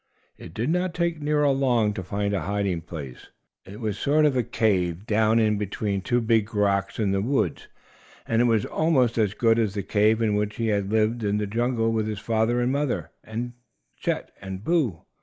It did not take Nero long to find a hiding place. It was a sort of cave down in between two big rocks in the woods; and it was almost as good as the cave in which he had lived in the jungle with his father and mother and Chet and Boo.